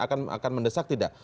akan mendesak tidak